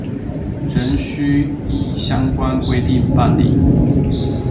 仍須依相關規定辦理